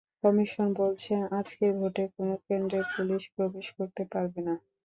Commission বলছে, আজকের ভোটে কোনো কেন্দ্রে পুলিশ প্রবেশ করতে পারবে না।